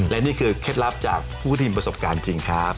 และนี่คือเคล็ดลับจากผู้ที่มีประสบการณ์จริงครับ